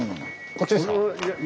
こっちですか？